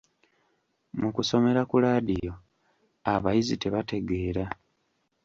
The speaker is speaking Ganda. Mu kusomera ku laadiyo abayizi tebategeera.